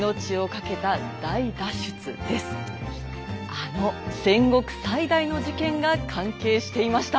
あの戦国最大の事件が関係していました。